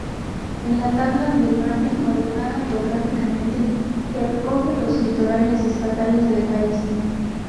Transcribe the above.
En la tabla al margen, ordenada geográficamente, se recogen los litorales estatales del país.